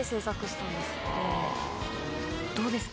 どうですか？